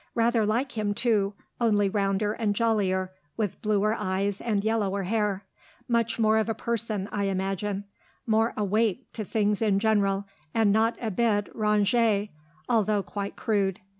Rather like him, too, only rounder and jollier, with bluer eyes and yellower hair. Much more of a person, I imagine; more awake to things in general, and not a bit rangée, though quite crude.